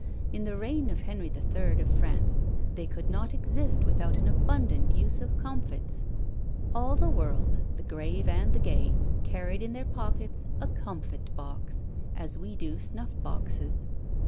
In the reign of Henry III. of France, they could not exist without an abundant use of comfits. All the world, the grave and the gay, carried in their pockets a comfit box, as we do snuff boxes.